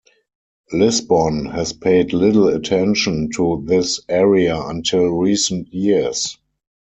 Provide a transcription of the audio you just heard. Lisbon has paid little attention to this area until recent years.